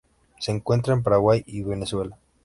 Se encuentra en Paraguay y Venezuela.